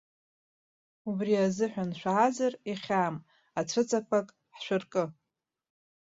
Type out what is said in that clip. Убри азыҳәан шәаазар, ихьаам, аҵәыцақәак ҳшәыркы.